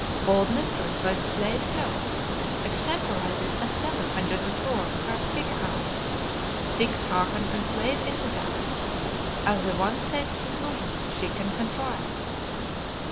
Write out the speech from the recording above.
Old mistress, by the slave's help, extemporizes a cellar under the floor of her pig house; sticks Hakon and slave into that, as the one safe seclusion she can contrive.